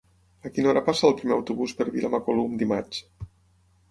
A quina hora passa el primer autobús per Vilamacolum dimarts?